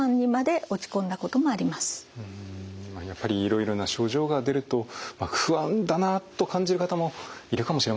やっぱりいろいろな症状が出ると不安だなと感じる方もいるかもしれませんよね。